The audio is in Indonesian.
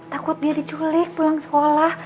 takut dia diculik pulang sekolah